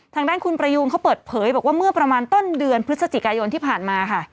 ทางด้านคุณประยูนเขาเปิดเผยบอกว่าเมื่อประมาณต้นเดือนพฤศจิกายนที่ผ่านมาค่ะ